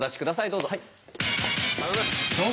どうぞ。